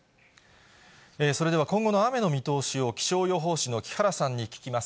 それでは今後の雨の見通しを、気象予報士の木原さんに聞きます。